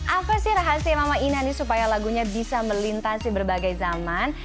apa sih rahasia mama ina nih supaya lagunya bisa melintasi berbagai zaman